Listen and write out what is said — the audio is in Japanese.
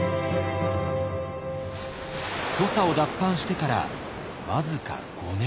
土佐を脱藩してから僅か５年。